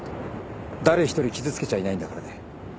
誰ひとり傷つけちゃいないんだからね。